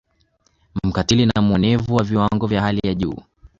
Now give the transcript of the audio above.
Mkatili na muonevu wa viwango vya hali ya juu